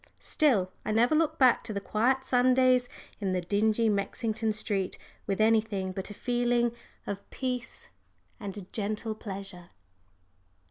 Still, I never look back to the quiet Sundays in the dingy Mexington street with anything but a feeling of peace and gentle pleasure.